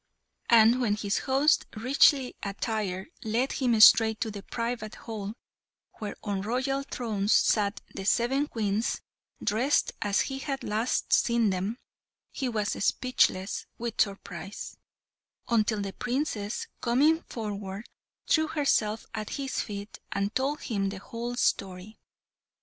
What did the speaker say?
And when his host, richly attired, led him straight to the private hall, where on royal thrones sat the seven Queens, dressed as he had last seen them, he was speechless with surprise, until the Princess, coming forward, threw herself at his feet, and told him the whole story.